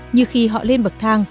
như khi họ lên bậc thang